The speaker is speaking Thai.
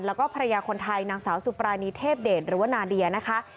แล้วก็ภรรยาคนไทยนางสาวสุปรานีเทพเดชหรือว่านาเดียนะคะ